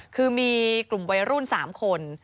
คือมีกลุ่มวัยรุ่น๓คน